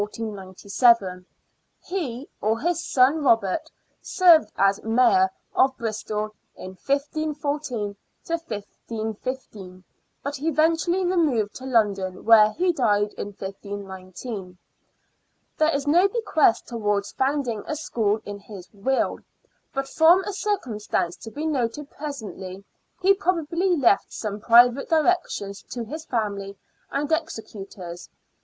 He, or his son Robert, served as Mayor of Bristol in 1514 5, but he even tually removed to London, where he died in 15 19. There is no bequest towards founding a school in his will, but from a circumstance to be noted presently, he probably left some private directions to his family and executors.